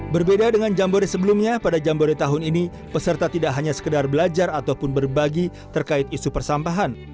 berbeda dengan jambore sebelumnya pada jambore tahun ini peserta tidak hanya sekedar belajar ataupun berbagi terkait isu persampahan